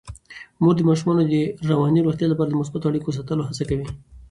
مور د ماشومانو د رواني روغتیا لپاره د مثبتو اړیکو ساتلو هڅه کوي.